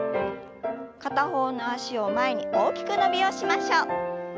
片方の脚を前に大きく伸びをしましょう。